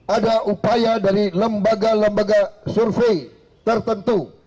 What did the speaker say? ada upaya dari lembaga lembaga survei tertentu